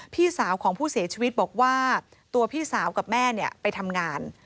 พี่สาวของผู้เสียชีวิตบอกว่าตัวพี่สาวกับแม่ไปทำงาน